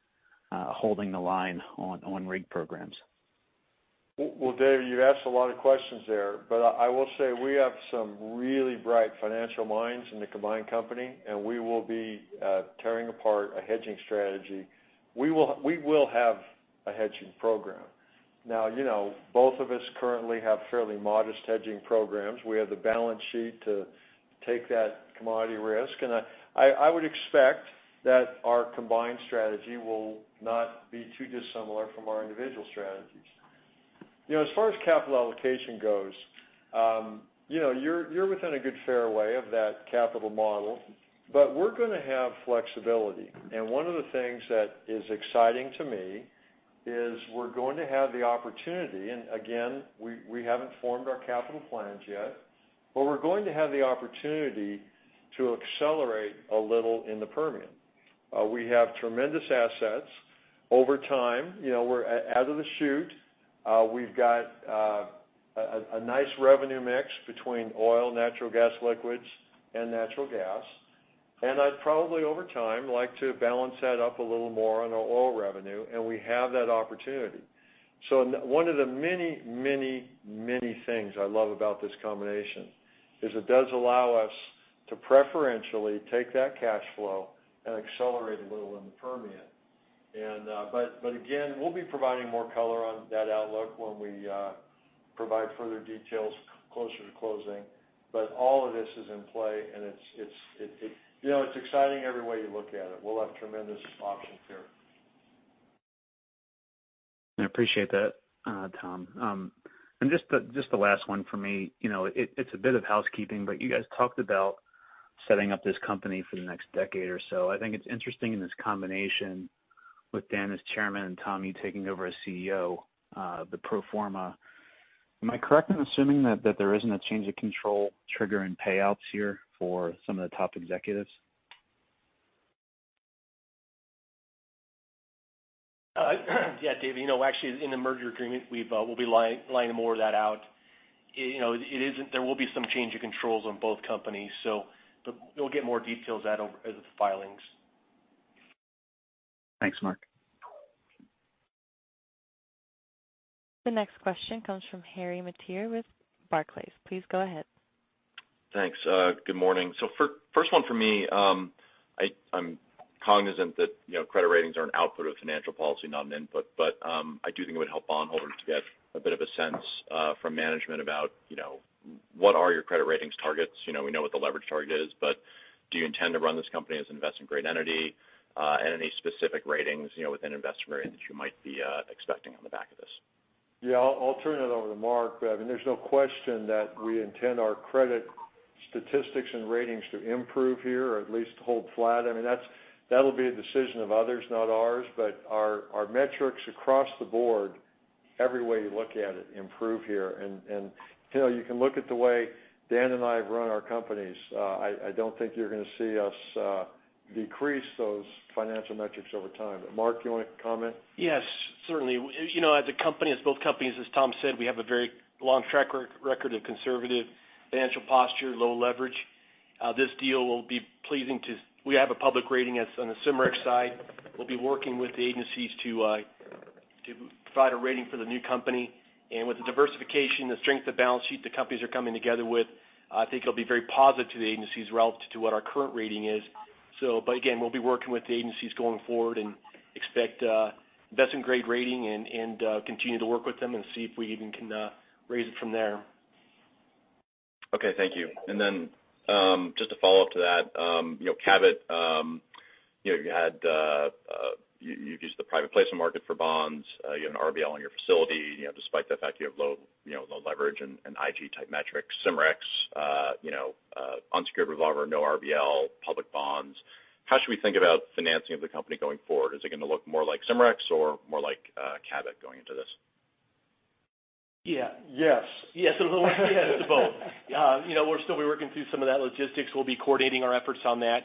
Speaker 16: holding a line on rig programs?
Speaker 4: Well, David, you asked a lot of questions there. I will say we have some really bright financial minds in the combined company, and we will be tearing apart a hedging strategy. We will have a hedging program. Both of us currently have fairly modest hedging programs. We have the balance sheet to take that commodity risk. I would expect that our combined strategy will not be too dissimilar from our individual strategies. As far as capital allocation goes, you're within a good fair way of that capital model. We're going to have flexibility. One of the things that is exciting to me is, we're going to have the opportunity, and again, we haven't formed our capital plans yet. We're going to have the opportunity to accelerate a little in the Permian. We have tremendous assets. Over time, we're out of the chute. We've got a nice revenue mix between oil and natural gas liquids and natural gas. I'd probably, over time, like to balance that up a little more on the oil revenue, and we have that opportunity. One of the many things I love about this combination is it does allow us to preferentially take that cash flow and accelerate a little in the Permian. Again, we'll be providing more color on that outlook when we provide further details closer to closing. All of this is in play, and it's exciting every way you look at it. We'll have tremendous options here.
Speaker 16: I appreciate that, Tom. Just the last one for me. It's a bit of housekeeping, but you guys talked about setting up this company for the next decade or so. I think it's interesting in this combination with Dan as Chairman and Tom, you taking over as CEO, the pro forma. Am I correct in assuming that there isn't a change of control triggering payouts here for some of the top executives?
Speaker 7: Yeah, Dave, actually in the merger agreement, we'll be laying more of that out. There will be some change of controls on both companies, but you'll get more details out of the filings.
Speaker 16: Thanks, Mark.
Speaker 1: The next question comes from Harry Mateer with Barclays. Please go ahead.
Speaker 17: Thanks. Good morning. First one for me, I'm cognizant that credit ratings are an output of financial policy, not an input. I do think it would help bondholders to get a bit of a sense from management about what are your credit ratings targets. We know what the leverage target is, but do you intend to run this company as investment-grade entity? Any specific ratings within investment grade that you might be expecting on the back of this?
Speaker 4: Yeah, I'll turn that over to Mark. There's no question that we intend our credit statistics and ratings to improve here, or at least hold flat. That'll be a decision of others, not ours. Our metrics across the board, every way you look at it, improve here. You can look at the way Dan and I have run our companies. I don't think you're going to see us decrease those financial metrics over time. Mark, you want to comment?
Speaker 7: Yes, certainly. As both companies, as Tom said, we have a very long track record of conservative financial posture, low leverage. This deal will be pleasing. We have a public rating on the Cimarex side. We'll be working with the agencies to provide a rating for the new company. With the diversification, the strength of the balance sheet the companies are coming together with, I think it'll be very positive to the agencies relative to what our current rating is. Again, we'll be working with the agencies going forward and expect investment-grade rating, and continue to work with them and see if we even can raise it from there.
Speaker 17: Okay, thank you. Just a follow-up to that. Cabot, you used the private placement market for bonds, you had an RBL on your facility, despite the fact you have low leverage and IG-type metrics. Cimarex, unsecured revolver, no RBL, public bonds. How should we think about financing of the company going forward? Is it going to look more like Cimarex or more like Cabot going into this?
Speaker 7: Yes. We're still working through some of that logistics. We'll be coordinating our efforts on that.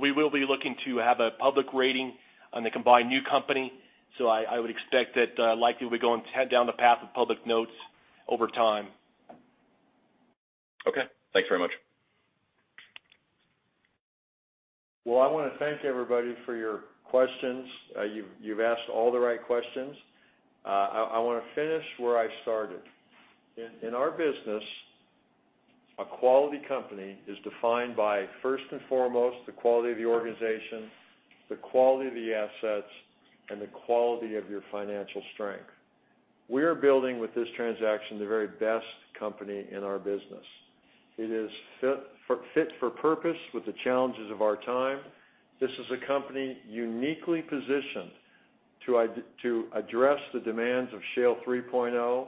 Speaker 7: We will be looking to have a public rating on the combined new company. I would expect that likely we're going down the path of public notes over time.
Speaker 17: Okay. Thanks very much.
Speaker 4: Well, I want to thank everybody for your questions. You've asked all the right questions. I want to finish where I started. In our business, a quality company is defined by, first and foremost, the quality of the organization, the quality of the assets, and the quality of your financial strength. We are building with this transaction the very best company in our business. It is fit for purpose with the challenges of our time. This is a company uniquely positioned to address the demands of Shale 3.0,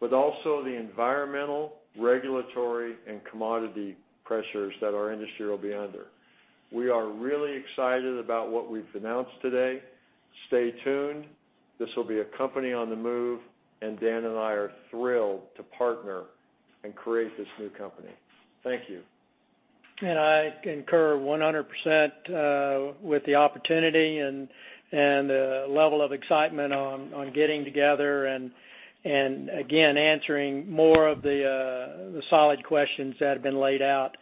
Speaker 4: but also the environmental, regulatory, and commodity pressures that our industry will be under. We are really excited about what we've announced today. Stay tuned. This will be a company on the move, and Dan and I are thrilled to partner and create this new company. Thank you.
Speaker 3: I concur 100% with the opportunity and the level of excitement on getting together, and again, answering more of the solid questions that have been laid out.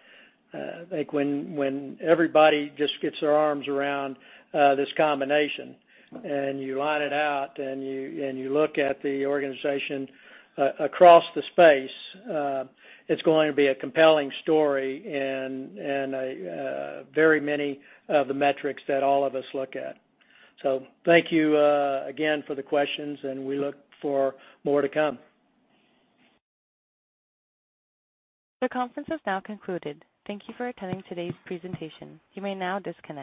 Speaker 3: I think when everybody just gets their arms around this combination, and you line it out and you look at the organization across the space, it's going to be a compelling story in very many of the metrics that all of us look at. Thank you again for the questions, and we look for more to come.
Speaker 1: The conference has now concluded. Thank you for attending today's presentation. You may now disconnect.